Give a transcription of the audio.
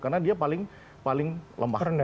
karena dia paling lemah